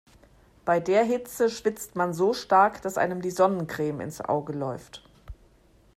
Bei der Hitze schwitzt man so stark, dass einem die Sonnencreme ins Auge läuft.